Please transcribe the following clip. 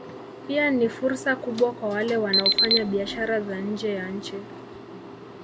Pia ni fursa kubwa kwa wale wanaofanya biashara za nje ya nchi